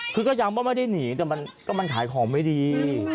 คือก็ย้ำว่าไม่ได้หนีแต่ก็มันขายของไม่ดี